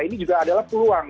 ini juga adalah peluang